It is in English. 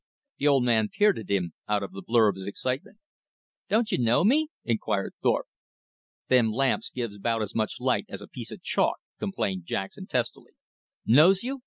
The old man peered at him out of the blur of his excitement. "Don't you know me?" inquired Thorpe. "Them lamps gives 'bout as much light as a piece of chalk," complained Jackson testily. "Knows you?